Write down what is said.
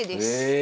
え！